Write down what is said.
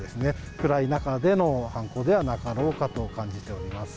暗い中での犯行ではなかろうかと感じております。